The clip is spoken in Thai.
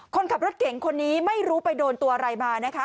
คนขับรถเก่งคนนี้ไม่รู้ไปโดนตัวอะไรมานะคะ